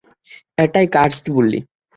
এটাই কার্সড বুলি?